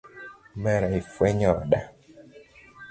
Omera ifwenyo oda.